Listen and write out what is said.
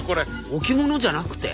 置物じゃなくて？